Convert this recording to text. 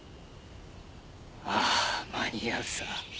あぁ間に合うさ。